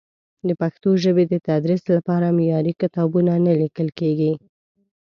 د پښتو ژبې د تدریس لپاره معیاري کتابونه نه لیکل کېږي.